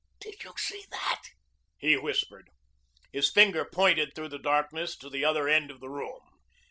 "Did you see that?" he whispered. His finger pointed through the darkness to the other end of the room.